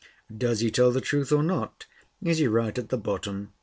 Does he tell the truth or not? is he right at the bottom?